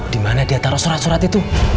dimana dia taruh surat surat itu